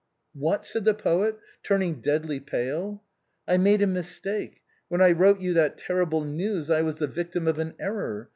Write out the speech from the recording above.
" What," said the poet, turning deadly pale. " I made a mistake. When I wrote you that terrible news I was the victim of an error.